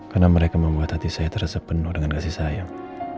karena mereka membuat hati saya tersepenuh dengan kasih sayang